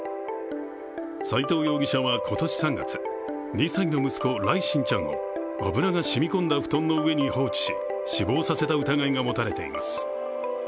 斉藤容疑者は今年３月、２歳の息子、來心ちゃんを油が染み込んだ布団の上に放置し、死亡させた疑いが持たれています。